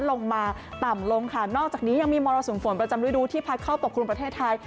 ลงมาต่ำลงค่ะนอกจากนี้ยังมีมรสุมฝนประจำฤดูที่พัดเข้าปกครุมประเทศไทย